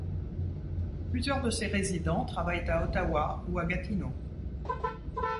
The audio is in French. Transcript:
Plusieurs de ses résidents travaillent à Ottawa ou à Gatineau.